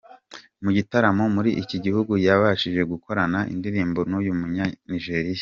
mu gitaramo muri iki gihugu yabashije gukorana indirimbo nuyu Munyanijeriya.